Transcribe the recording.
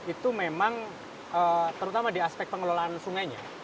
itu memang terutama di aspek pengelolaan sungainya